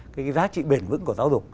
cái giá trị bền vững của giáo dục